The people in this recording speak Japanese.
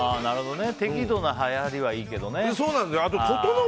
適度なはやりはいいけどね。